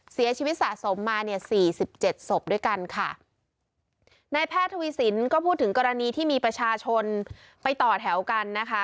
เสียชีวิตสะสมมาเนี่ยสี่สิบเจ็ดศพด้วยกันค่ะนายแพทย์ทวีสินก็พูดถึงกรณีที่มีประชาชนไปต่อแถวกันนะคะ